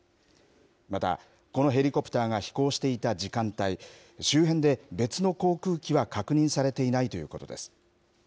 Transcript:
また、このヘリコプターが飛行していた時間帯、周辺で別の航空機は確認されていないということです。